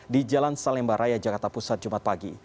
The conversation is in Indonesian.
di jalan salemba raya jakarta pusat jumat pagi